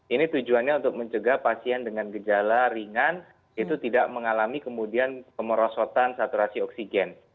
ini tujuannya untuk mencegah pasien dengan gejala ringan itu tidak mengalami kemudian pemerosotan saturasi oksigen